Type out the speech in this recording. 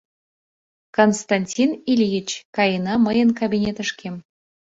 Константин Ильич, каена мыйын кабинетышкем...